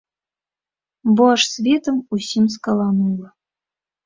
Бо аж светам усім скаланула.